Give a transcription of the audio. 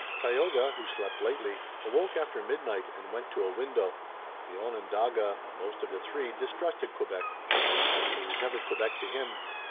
Tayoga, who slept lightly, awoke after midnight and went to a window. The Onondaga, most of the three, distrusted Quebec. It was never Quebec to him.